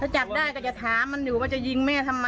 จับได้ก็จะถามมันอยู่ว่าจะยิงแม่ทำไม